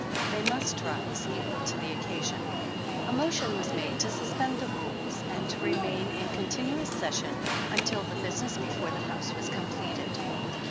They must rise equal to the occasion. A motion was made to suspend the rules, and to re ^ main in continuous session until the business before the House was completed.